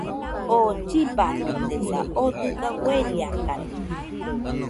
oo llibanotesa, oo dɨga ueriakade